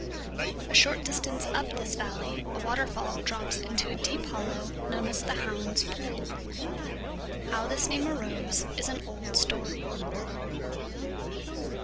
A short distance up this valley a waterfall drops into a deep hollow known as the "Hound's Pool." How this name arose is an old story.